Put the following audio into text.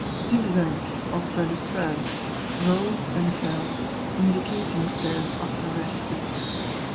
Zigzags of balustrades rose and fell, indicating stairs of terraces.